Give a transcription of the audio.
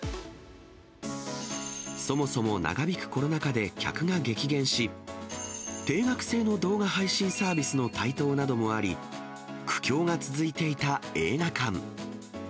そもそも長引くコロナ禍で客が激減し、定額制の動画配信サービスの台頭などもあり、苦境が続いていた映画館。